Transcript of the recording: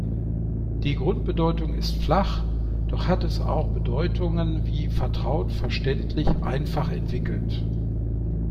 Die Grundbedeutung ist „flach“, doch hat es auch Bedeutungen wie „vertraut, verständlich, einfach“ entwickelt.